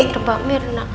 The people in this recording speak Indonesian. oh udah pamer ya duna